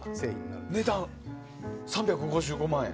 うわ、値段が３５５万円。